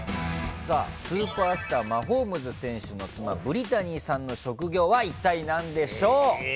スーパースター、マホームズ選手の妻、ブリタニーさんの職業は、一体なんでしょう？